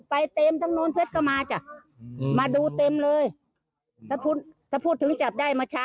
ไปเต็มทั้งนู้นเพชรก็มาจ้ะอืมมาดูเต็มเลยถ้าพูดถ้าพูดถึงจับได้มาช้า